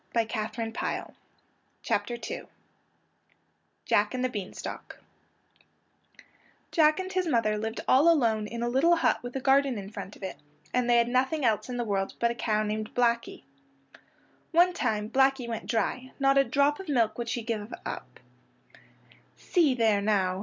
[Illustration: Jack and the Bean Stalk] JACK AND THE BEAN STALK Jack and his mother lived all alone in a little hut with a garden in front of it, and they had nothing else in the world but a cow named Blackey. One time Blackey went dry; not a drop of milk would she give. "See there now!"